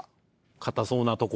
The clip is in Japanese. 堅そうなとこ。